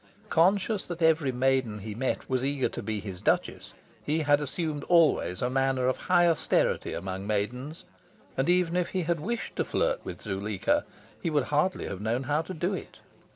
Conscious that every maiden he met was eager to be his Duchess, he had assumed always a manner of high austerity among maidens, and even if he had wished to flirt with Zuleika he would hardly have known how to do it.